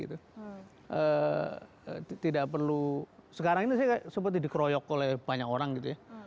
tidak perlu sekarang ini saya seperti dikeroyok oleh banyak orang gitu ya